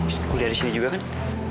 dan kakak kamu kuliah disini juga kan